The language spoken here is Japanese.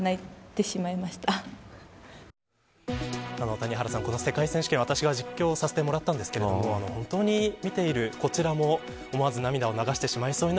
谷原さん、世界選手権は私が実況させてもらったんですが本当に見ているこちらも思わず涙を流してしまいそうに